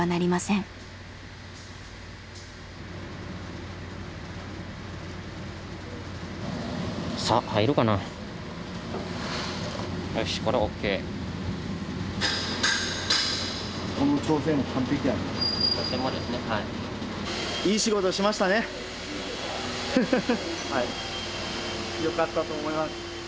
よかったと思います。